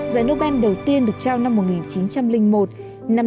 giải nobel đầu tiên được trao năm một nghìn chín trăm linh một